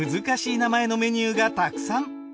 難しい名前のメニューがたくさん。